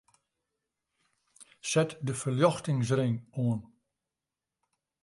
Set de ferljochtingsring oan.